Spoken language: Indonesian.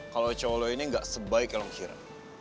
kalau cowok lo ini gak sebaik yang lo kira